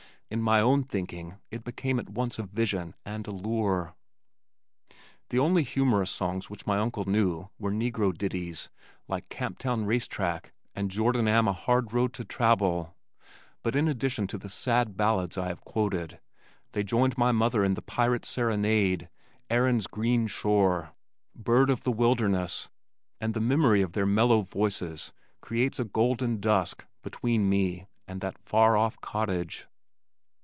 In my own thinking it became at once a vision and a lure. The only humorous songs which my uncles knew were negro ditties, like Camp Town Racetrack and Jordan am a Hard Road to Trabbel but in addition to the sad ballads I have quoted, they joined my mother in The Pirate's Serenade, Erin's Green Shore, Bird of the Wilderness, and the memory of their mellow voices creates a golden dusk between me and that far off cottage.